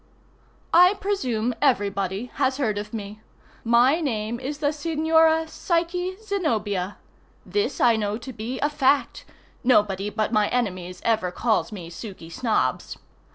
_ I presume everybody has heard of me. My name is the Signora Psyche Zenobia. This I know to be a fact. Nobody but my enemies ever calls me Suky Snobbs.